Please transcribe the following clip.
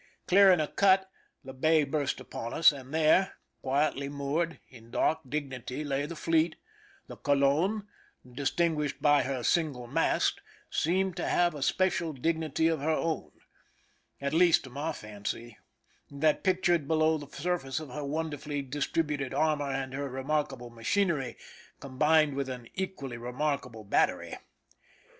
Clearing a cut, the bay burst upon us ; and there, quietly moored, in dark dignity lay the fleet, the Coldn^ distin guished by her single mast, seeming to have a special dignity of her own— at least, to my fancy, that pictured below the surface her wonderfully distributed armor and her remarkable machinery, combined with an equally remarkable battery.